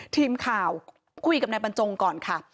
ทีมข่าวคุยกับนายบรรจงก่อนค่ะ